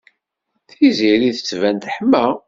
Tiziri tettban teḥma.